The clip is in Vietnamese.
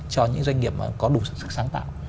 cho những doanh nghiệp có đủ sức sáng tạo